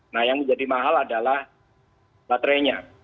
nah yang menjadi mahal adalah baterainya